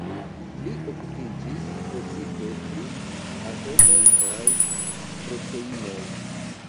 Li okupiĝis precipe pri atomoj kaj proteinoj.